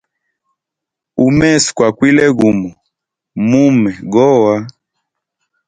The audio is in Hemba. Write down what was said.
Umeso kwa kwile gumo, mume gowa.